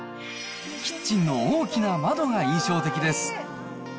キッチンの大きな窓が印象的です。